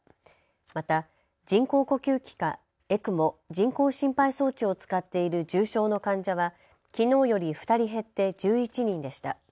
また人工呼吸器かＥＣＭＯ・人工心肺装置を使っている重症の患者はきのうより２人減って１１人でした。